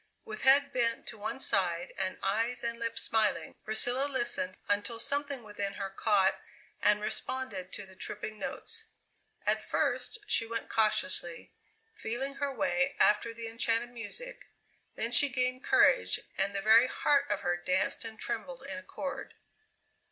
With head bent to one side and eyes and lips smiling, Priscilla listened until something within her caught and responded to the tripping notes. At first she went cautiously, feeling her way after the enchanted music, then she gained courage, and the very heart of her danced and trembled in accord.